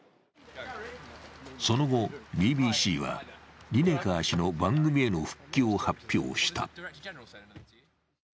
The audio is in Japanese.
その後ＢＢＣは、リネカー氏の番組への復帰を発表した。